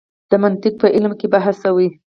د منطق په علم کې بحث شوی.